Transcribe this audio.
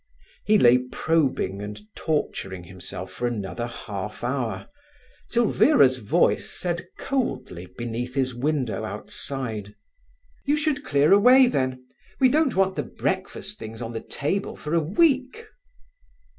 He lay probing and torturing himself for another half hour, till Vera's voice said coldly, beneath his window outside: "You should clear away, then. We don't want the breakfast things on the table for a week."